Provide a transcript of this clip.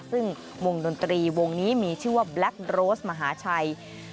ซึ่งวงดนตรีวงนี้มีชื่อว่าแบล็คโรสมหาชัย